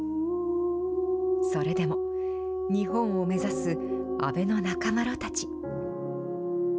それでも、日本を目指す阿倍仲麻呂たち。